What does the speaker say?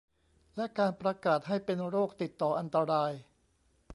และการประกาศให้เป็นโรคติดต่ออันตราย